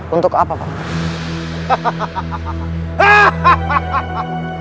untuk apa paman